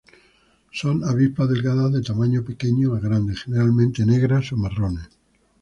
Son avispas delgadas de tamaño pequeño a grande, generalmente negras o marrones.